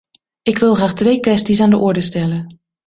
Ik wil graag twee kwesties aan de orde stellen.